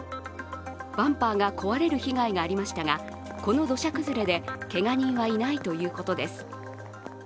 バンパーが壊れる被害がありましたが、この土砂崩れでけが人はいないということです。